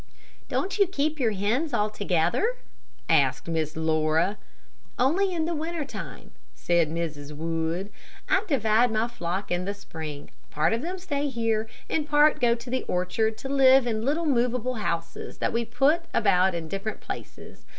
"Don't you keep your hens all together?" asked Miss Laura. "Only in the winter time," said Mrs. Wood. "I divide my flock in the spring. Part of them stay here and part go to the orchard to live in little movable houses that we put about in different places.